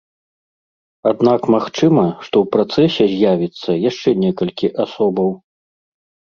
Аднак магчыма, што ў працэсе з'явіцца яшчэ некалькі асобаў.